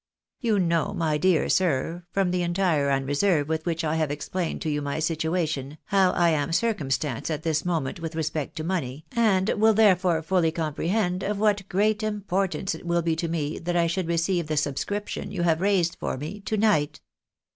You know, my dear sir, from the entire unreserve with which I have explained to you my situation, how I am circumstanced at this moment with respect to money, and will therefore fully comprehend of what great importance it will be to me that I should receive the sub scription you have raised for me to night.